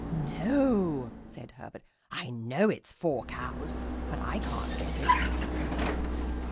"No," said Herbert; "I know it's 'four cows,' but I can't get it."